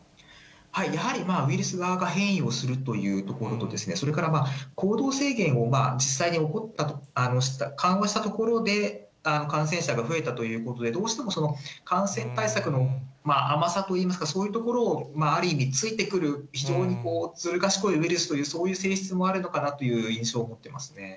やはりウイルスは変異をするというところと、それから行動制限を実際に緩和したところで感染者が増えたということで、どうしても感染対策の甘さといいますか、そういうところをある意味ついてくる、非常にずる賢いウイルスという、そういう性質もあるのかなという印象も持ってますね。